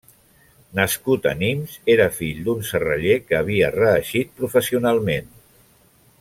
Nascut a Nimes, era fill d’un serraller que havia reeixit professionalment.